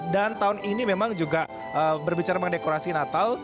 dan tahun ini memang juga berbicara mengedekorasi natal